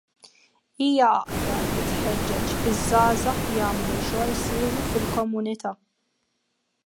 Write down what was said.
Hija għaqda li tħeġġeġ iż-żgħażagħ jagħmlu xogħol siewi fil-komunità.